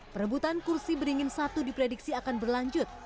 perebutan kursi beringin satu diprediksi akan berlanjut